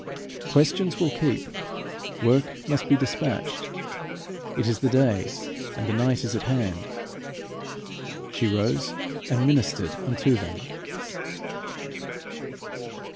Questions will keep; work must be despatched. It is the day, and the night is at hand. She rose and ministered unto them.